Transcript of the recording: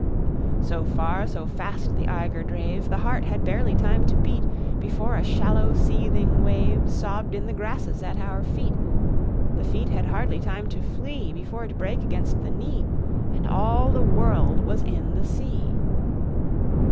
So farre, so fast the eygre drave, The heart had hardly time to beat Before a shallow seething wave Sobb'd in the grasses at oure feet: The feet had hardly time to flee Before it brake against the knee, And all the world was in the sea.